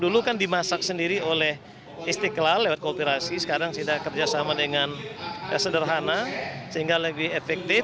dulu kan dimasak sendiri oleh istiqlal lewat kooperasi sekarang sudah kerjasama dengan sederhana sehingga lebih efektif